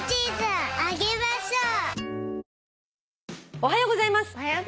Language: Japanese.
「おはようございます。